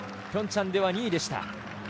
ピョンチャンでは２位でした。